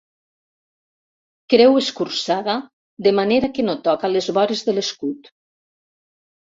Creu escurçada de manera que no toca les vores de l'escut.